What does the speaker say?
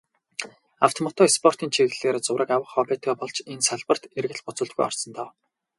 Авто, мото спортын чиглэлээр зураг авах хоббитой болж, энэ салбарт эргэлт буцалтгүй орсон доо.